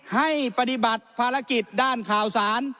ให้ปฏิบัติภารกิจด้านข่าวสาร